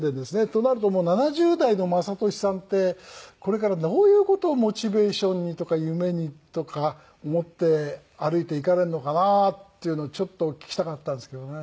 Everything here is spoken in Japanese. となるともう７０代の雅俊さんってこれからどういう事をモチベーションにとか夢にとか持って歩いていかれるのかなっていうのをちょっとお聞きしたかったんですけどね。